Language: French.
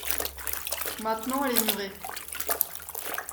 Maintenant elle est murée.